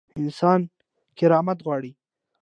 انسان کرامت غواړي